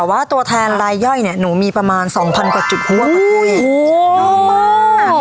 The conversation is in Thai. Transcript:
แต่ว่าตัวแทนลายย่อยเนี้ยหนูมีประมาณสองพันกว่าจุดคั่วประเทศโอ้ยโอ้ย